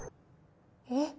えっ？